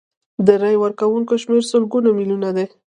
د رایې ورکوونکو شمیر سلګونه میلیونه دی.